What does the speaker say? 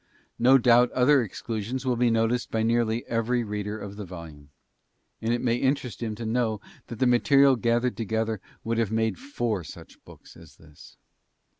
No doubt other exclusions will be noticed by nearly every reader of the volume and it may interest him to know that the material gathered together would have made four such books as this.